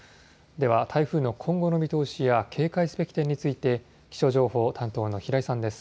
では、台風の今後の見通しや警戒すべき点について気象情報担当の平井さんです。